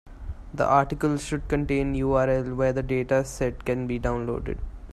The article should contain URL where the dataset can be downloaded.